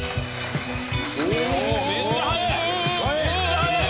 めっちゃ速い！